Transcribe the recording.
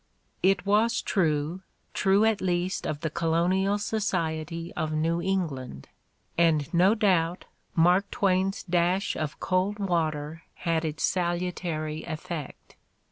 It was true, true at least of the colonial society of New England; and no doubt Mark Twain's dash of cold water had its salutary effect.